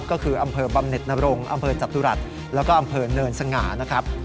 ก็คืออำเภอบำเน็ตนรงอำเภอจัตุรัสและอำเภอเนินสง่า